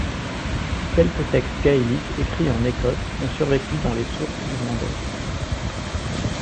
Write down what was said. Quelques textes gaéliques écrits en Écosse ont survécu dans les sources irlandaises.